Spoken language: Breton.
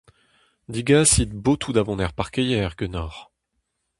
Degasit botoù da vont er parkeier ganeoc'h.